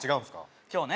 今日ね